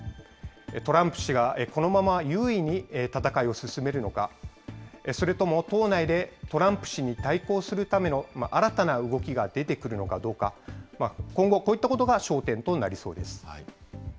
トランプ氏がこのまま優位に戦いを進めるのか、それとも、党内でトランプ氏に対抗するための新たな動きが出てくるのかどうか、今後、こういったことが焦点となりそうです。